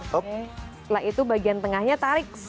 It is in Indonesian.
setelah itu bagian tengahnya tarik